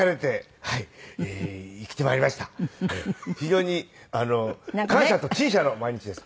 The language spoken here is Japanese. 非常に感謝と陳謝の毎日です。